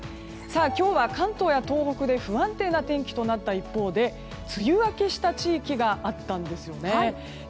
今日は関東や東北で不安定な天気となった一方で梅雨明けした地域があったんです。